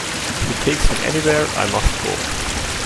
If he takes me anywhere, I must go.